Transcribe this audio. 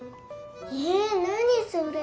え何それ？